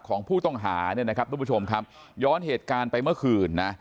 ของผู้ต้องหาเนี่ยนะครับทุกผู้ชมครับย้อนเหตุการณ์ไปเมื่อคืนนะ